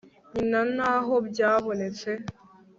nyina ntaho byabonetse